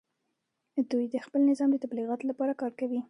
دوی د خپل نظام د تبلیغاتو لپاره کار کوي